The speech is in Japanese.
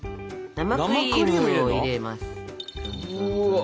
生クリームを入れるの？